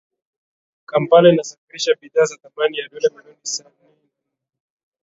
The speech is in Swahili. Kampala inasafirisha bidhaa za thamani ya dola milioni sanini na nne